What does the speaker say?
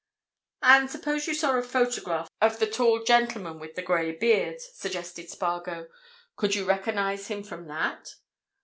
"And supposing you saw a photograph of the tall gentleman with the grey beard?" suggested Spargo. "Could you recognize him from that?"